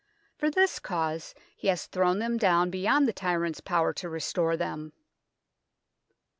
For this cause he has thrown them down beyond the tyrant's power to restore them."